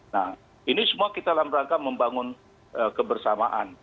nah ini semua kita dalam rangka membangun kebersamaan